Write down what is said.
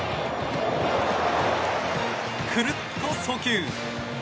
くるっと送球。